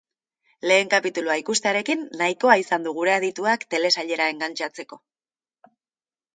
Lehen kapitulua ikustearekin nahikoa izan du gure adituak telesailera engantxatzeko.